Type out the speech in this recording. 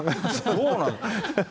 そうなの。